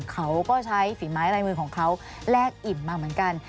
เขาก็ใช้ฝีไม้ลายมือของเขาแลกอิ่มมาเหมือนกัน